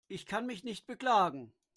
Ich kann mich nicht beklagen.